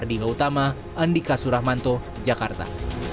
seutama andika suramanto jakarta